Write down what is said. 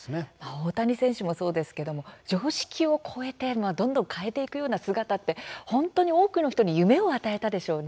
大谷選手もそうですが常識を超えて変えていくような姿というのは本当に多くの人に夢を与えたでしょうね。